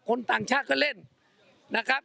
ต่างชาติก็เล่นนะครับ